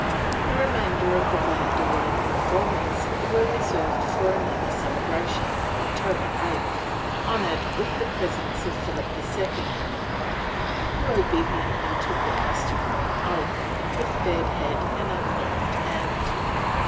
^ The remainder of the \'alladolid reformers were reserved for another celebration, October 8th, honored with the presence of Philip II, who obediently took the customary oath, with bared head and ungloved hand.